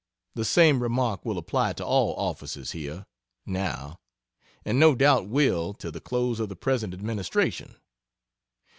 The same remark will apply to all offices here, now, and no doubt will, till the close of the present administration.